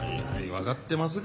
分かってますがな。